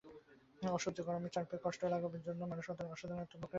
অসহ্য গরমে চারপেয়ের কষ্ট লাঘবের জন্য মানবসন্তানের অসাধারণত্বের প্রকাশ এটা নয়।